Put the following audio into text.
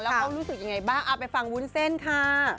เขารู้สึกยังไงบ้างเอาไปฟังวุ้นเส้นค่ะ